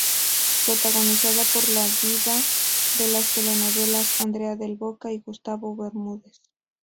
Protagonizada por la diva de las telenovelas Andrea Del Boca y Gustavo Bermúdez.